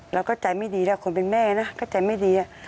เราก็ใจไม่ดีแล้วคนเป็นแม่นะก็ใจไม่ดี